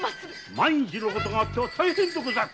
万一のことがあっては大変でござる。